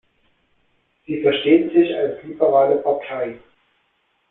Sie versteht sich als liberale Partei.